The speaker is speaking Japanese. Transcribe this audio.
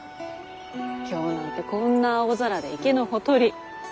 今日なんてこんな青空で池のほとり。